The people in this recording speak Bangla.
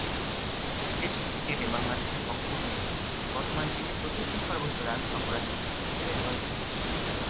টেস্ট ক্রিকেটে বাংলাদেশের পক্ষ হয়ে বর্তমানে তিনি চতুর্থ সর্বোচ্চ রান সংগ্রহকারী হিসেবে রয়েছেন।